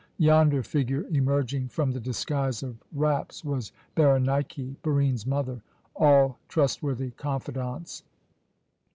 Yonder figure, emerging from the disguise of wraps, was Berenike, Barine's mother. All trustworthy confidants!